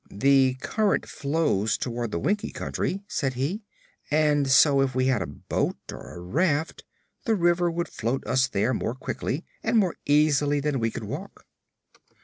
"The current flows toward the Winkie Country," said he; "and so, if we had a boat, or a raft, the river would float us there more quickly and more easily than we could walk."